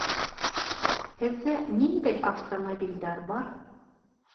Һеҙҙә ниндәй автомобилдәр бар?